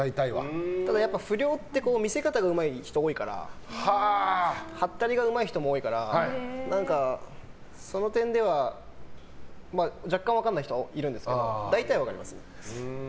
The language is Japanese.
ただ、不良って見せ方がうまい人多いからはったりがうまい人も多いからその点では、若干分からない人はいるんですけど大体は分かりますね。